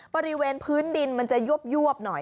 บริเวณพื้นดินมันจะยวบหน่อย